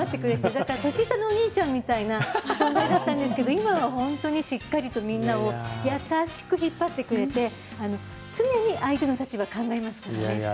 だから年下のお兄ちゃんみたいな存在だったんですがしっかりとみんなを優しく引っ張ってくれて常に相手の立場を考えますからね。